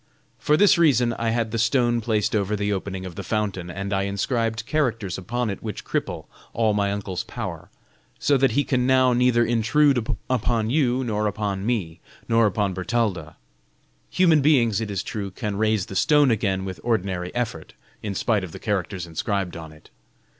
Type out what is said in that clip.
For this reason I had the stone placed over the opening of the fountain, and I inscribed characters upon it which cripple all my uncle's power, so that he can now neither intrude upon you, nor upon me, nor upon Bertalda. Human beings, it is true, can raise the stone again with ordinary effort, in spite of the characters inscribed on it.